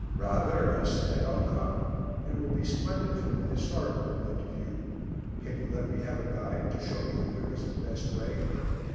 "Rather," I said; "I'll come. It will be splendid from the historical point of view. Can you let me have a guide, to show me the quickest and best way?"